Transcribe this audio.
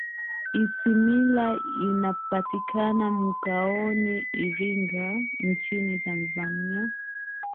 isimila inapatika mkoani iringa nchini tanzania